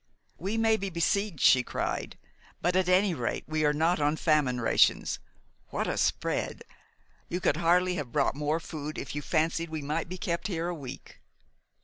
"We may be besieged," she cried; "but at any rate we are not on famine rations. What a spread! You could hardly have brought more food if you fancied we might be kept here a week."